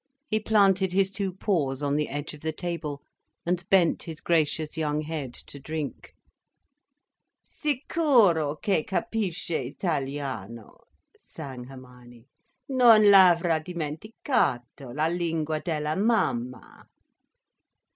He planted his two paws on the edge of the table and bent his gracious young head to drink. "Sicuro che capisce italiano," sang Hermione, "_non l'avrà dimenticato, la lingua della Mamma.